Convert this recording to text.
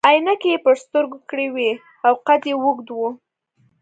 عینکې يې پر سترګو کړي وي او قد يې اوږد وو.